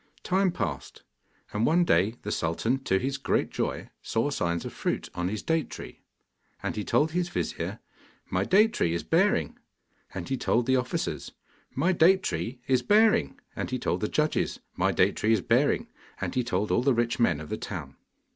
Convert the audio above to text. Time passed, and one day the sultan, to his great joy, saw signs of fruit on his date tree. And he told his vizir, 'My date tree is bearing;' and he told the officers, 'My date tree is bearing;' and he told the judges, 'My date tree is bearing;' and he told all the rich men of the town.